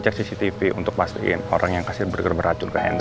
pak jitro berhubungan kita sendiri bersama posisimu keran tv